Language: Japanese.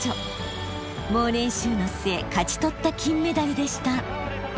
猛練習の末勝ち取った金メダルでした。